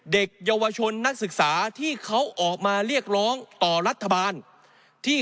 เด็กเยาวชนนักศึกษาที่เขาออกมาเรียกร้องต่อรัฐบาลที่